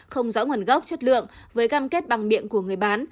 không rõ nguồn gốc chất lượng với cam kết bằng miệng của người bán